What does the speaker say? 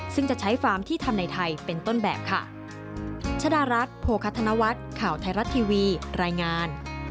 ซึ่งจะใช้ฟาร์มที่ทำในไทยเป็นต้นแบบค่ะ